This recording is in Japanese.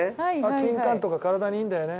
キンカンとか体にいいんだよね。